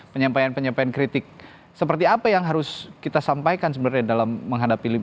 penyampaian penyampaian kritik seperti apa yang harus kita sampaikan sebenarnya dalam menghadapi